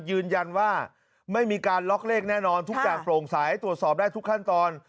ยืนยันว่าไม่มีการล็อกเลขแน่นอนทุกอย่างโปร่งใสตรวจสอบได้ทุกขั้นตอน